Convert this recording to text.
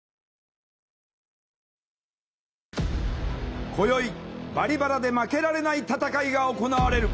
今宵「バリバラ」で負けられない戦いが行われる。